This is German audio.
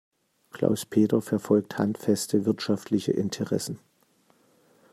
Klaus-Peter verfolgt handfeste wirtschaftliche Interessen.